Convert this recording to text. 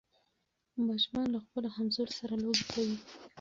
ماشومان له خپلو همزولو سره لوبې کوي.